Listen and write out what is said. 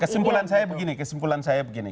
kesimpulan saya begini kesimpulan saya begini